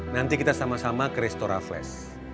nanti kita sama sama ke restora flash